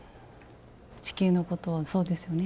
地球のことをそうですよね